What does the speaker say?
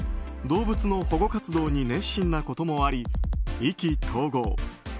動物の保護活動に熱心なこともあり、意気投合。